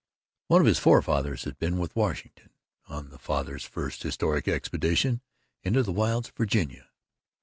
One of his forefathers had been with Washington on the Father's first historic expedition into the wilds of Virginia.